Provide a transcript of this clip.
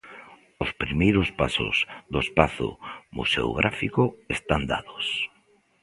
Os primeiros pasos do espazo museográfico están dados.